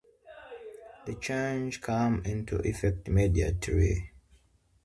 The changes came into effect immediately.